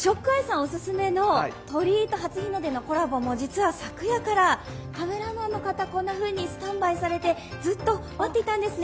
オススメの鳥居と初日の出のコラボも実は昨夜からカメラマンの方スタンバイされてずっと待っていたんですね